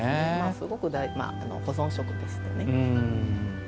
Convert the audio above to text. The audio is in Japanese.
すごく保存食ですね。